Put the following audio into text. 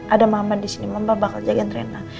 ada mama di sini mamba bakal jaga nrena